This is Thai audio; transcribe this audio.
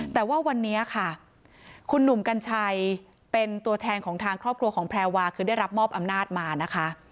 แต่ว่าวันนี้ค่ะคุณหนุ่มกัญชัยเป็นตัวแทนของทางครอบครัวของแพรวาคือได้รับมอบอำนาจมานะคะ